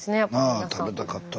なあ食べたかったな。